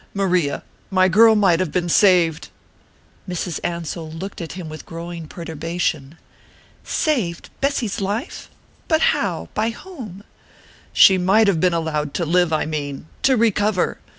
"Maria, my girl might have been saved!" Mrs. Ansell looked at him with growing perturbation. "Saved Bessy's life? But how? By whom?" "She might have been allowed to live, I mean to recover.